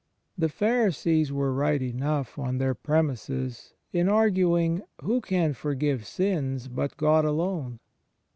The Pharisees were right enough, on their premisses, in arguing "Who can forgive sins, but God alone?"